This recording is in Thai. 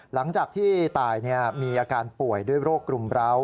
หลังจากที่ตายมีอาการป่วยด้วยโรครุมร้าว